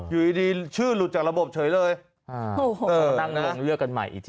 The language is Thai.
อยู่ดีชื่อหลุดจากระบบเฉยเลยมานั่งลงเลือกกันใหม่อีกที